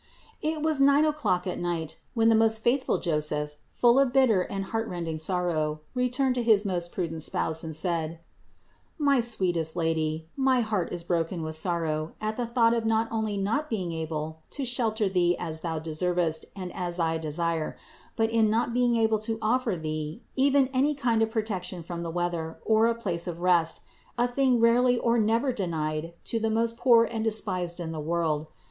463. It was nine o'clock at night when the most THE INCARNATION 389 faithful Joseph, full of bitter and heartrending sorrow, returned to his most prudent Spouse and said: "My sweetest Lady, my heart is broken with sorrow at the thought of not only not being able to shelter Thee as Thou deservest and as I desire, but in not being able to offer Thee even any kind of protection from the weather, or a place of rest, a thing rarely or never denied to the most poor and despised in the world.